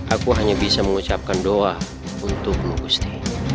aku hanya bisa mengucapkan doa untukmu gusti